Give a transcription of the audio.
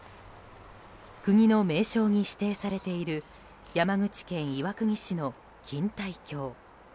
国の名勝に指定されている山口県岩国市の錦帯橋。